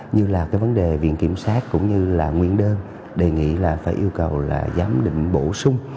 như là cái vấn đề viện kiểm sát cũng như là nguyên đơn đề nghị là phải yêu cầu là giám định bổ sung